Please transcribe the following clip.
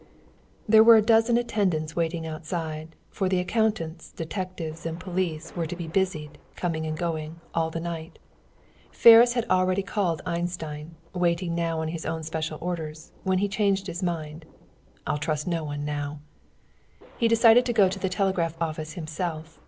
There were a dozen attendants waiting outside, for the accountants, detectives and police were to be busied, coming and going, all the night. Ferris had already called Einstein, waiting now on his own special orders, when he changed his mind. "I'll trust no one now." He decided to go to the telegraph office himself.